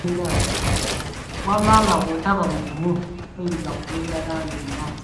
Wamma nga bw'otaba mugumu, toyinza kugenda nange mu maaso.